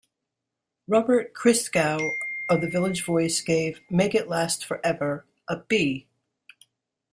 Robert Christgau of "The Village Voice" gave "Make It Last Forever" a "B".